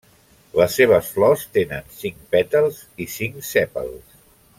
Les seves flors tenen cinc pètals i cinc sèpals.